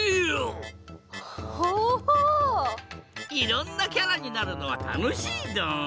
いろんなキャラになるのはたのしいドン！